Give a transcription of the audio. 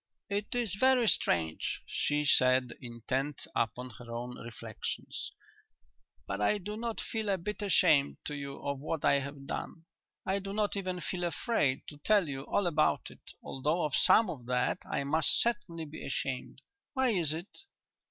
"It is very strange," she said, intent upon her own reflections, "but I do not feel a bit ashamed to you of what I have done. I do not even feel afraid to tell you all about it, although of some of that I must certainly be ashamed. Why is it?"